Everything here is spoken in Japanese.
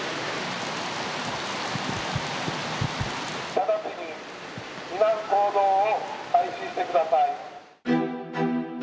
「直ちに避難行動を開始してください」